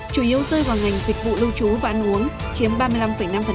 chủ yếu rơi vào ngành dịch vụ lưu trú và ăn uống chiếm ba mươi năm năm